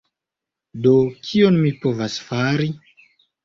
Do... kion mi povas fari?